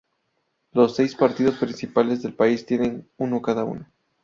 Los seis partidos principales del país tienen una cada uno.